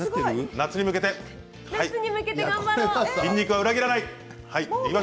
夏に向けて頑張ろう。